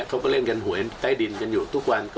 เขาก็เล่นกันหวยใต้ดินกันอยู่ทุกวัน